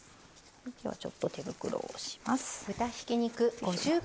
ちょっと手袋をします。